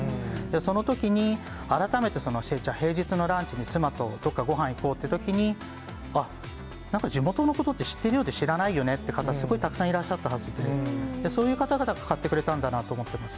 そのときに改めて、平日のランチに妻とどっかごはん行こうってときに、あっ、なんか地元のことって知っているようで知らないよねって方、すごいたくさんいらっしゃったはずで、そういう方々が買ってくれたんだなと思ってます。